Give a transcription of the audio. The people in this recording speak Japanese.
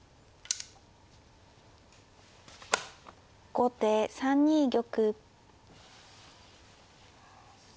後手３二玉。